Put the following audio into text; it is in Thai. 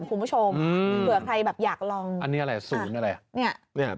คุณผู้ชมเผื่อใครแบบอยากลองอันนี้อะไรศูนย์อะไรเนี่ย